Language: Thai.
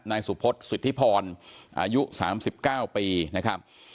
นายสุพศสิทธิพรอายุ๓๙ปีนะครับ